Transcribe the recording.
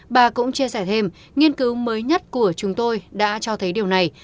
bà cũng chia sẻ thêm nghiên cứu mới nhất của chúng tôi đã cho thấy điều này